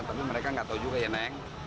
tapi mereka gak tau juga ya neng